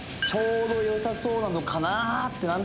ちょうどよさそうなのかなぁって